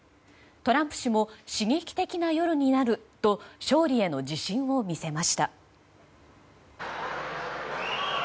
トランプ氏も刺激的な夜になると勝利への自信を見せました。